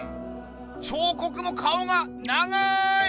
彫刻も顔が長い！